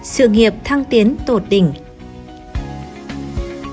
sự nghiệp thăng tiến tột đỉnh